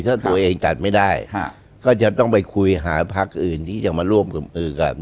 ถ้าตัวเองตัดไม่ได้ก็จะต้องไปคุยหาพักอื่นที่จะมาร่วมกับอือกัน